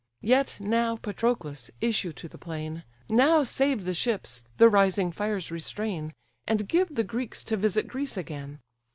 Yet now, Patroclus, issue to the plain: Now save the ships, the rising fires restrain, And give the Greeks to visit Greece again.